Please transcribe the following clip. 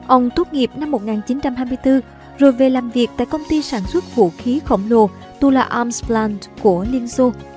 ông tuốt nghiệp năm một nghìn chín trăm hai mươi bốn rồi về làm việc tại công ty sản xuất vũ khí khổng lồ tula arms plant của liên xô